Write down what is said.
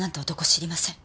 知りません！